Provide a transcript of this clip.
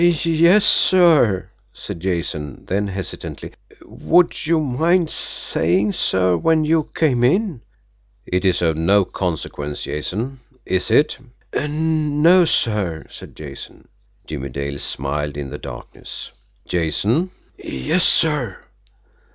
"Yes, sir," said Jason; then hesitantly: "Would you mind saying, sir, when you came in?" "It's of no consequence, Jason is it?" "No, sir," said Jason. Jimmie Dale smiled in the darkness. "Jason!" "Yes, sir."